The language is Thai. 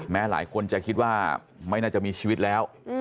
หลายคนจะคิดว่าไม่น่าจะมีชีวิตแล้ว